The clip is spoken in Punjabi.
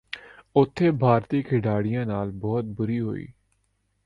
ਉਥੇ ਭਾਰਤੀ ਖਿਡਾਰੀਆਂ ਨਾਲ ਬੜੀ ਬੁਰੀ ਹੋਈ